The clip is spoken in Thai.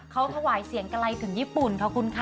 เขาถวายเสียงไกลถึงญี่ปุ่นขอบคุณค่ะ